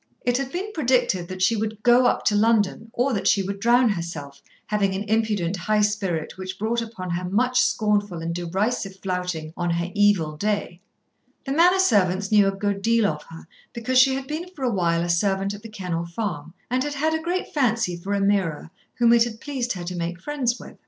It had been predicted that she would "go up to London," or that she would drown herself, having an impudent high spirit which brought upon her much scornful and derisive flouting on her evil day. The manor servants knew a good deal of her, because she had been for a while a servant at The Kennel Farm, and had had a great fancy for Ameerah, whom it had pleased her to make friends with.